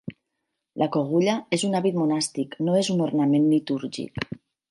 La cogulla és un hàbit monàstic, no és un ornament litúrgic.